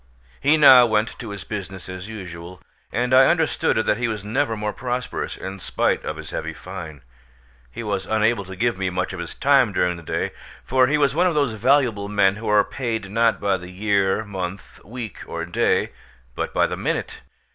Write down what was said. He now went to his business as usual; and I understood that he was never more prosperous, in spite of his heavy fine. He was unable to give me much of his time during the day; for he was one of those valuable men who are paid, not by the year, month, week, or day, but by the minute.